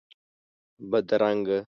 بدرنګه